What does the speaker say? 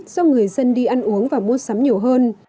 do người dân đi ăn uống và mua sắm nhiều hơn